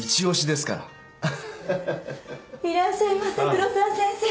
いらっしゃいませ黒沢先生。